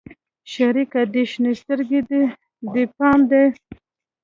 شريکه دې شين سترگو ته دې پام دى.